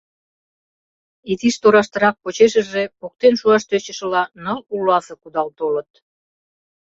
Изиш тораштырак почешыже, поктен шуаш тӧчышыла, ныл улазе кудал толыт.